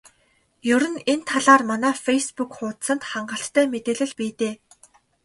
Ер нь энэ талаар манай фейсбүүк хуудсанд хангалттай мэдээлэл бий дээ.